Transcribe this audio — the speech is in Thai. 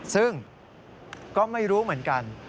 ซึ่งก็ไม่รู้เหมือนกัน